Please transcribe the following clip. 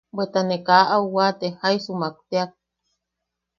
Bweta ne kaa au waate jaisa jumak teak.